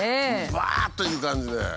ばっといく感じで。